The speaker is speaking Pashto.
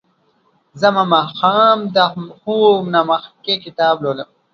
زه هر ماښام د خوب نه مخکې کتاب لولم.